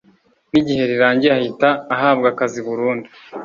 n’igihe rirangiye ahita ahabwa akazi burundu,